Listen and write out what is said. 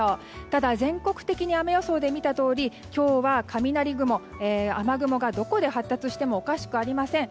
ただ、全国的に雨予想で見たとおり、今日は雷雲や雨雲がどこで発達してもおかしくありません。